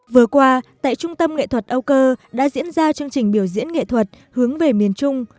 vừa qua tại trung tâm nghệ thuật âu cơ đã diễn ra chương trình biểu diễn nghệ thuật hướng về miền trung